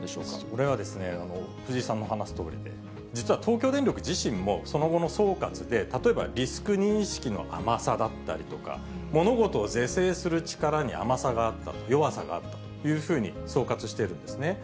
それは藤井さんの話すとおりで、実は東京電力自身も、その後の総括で、例えばリスク認識の甘さだったりとか、物事を是正する力に甘さがあった、弱さがあったというふうに総括しているんですね。